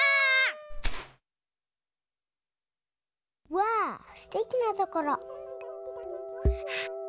わあすてきなところ！